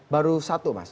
baru satu mas